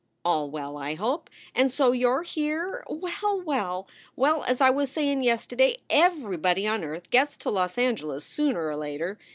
All well, I hope. And so you re here! Well, well! Well, as I was sayin yest day, everybody on Dearth gets to Los Angeles sooner or later.